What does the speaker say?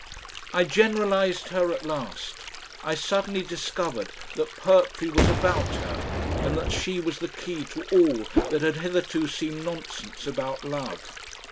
I generalised her at last. I suddenly discovered that poetry was about her and that she was the key to all that had hitherto seemed nonsense about love.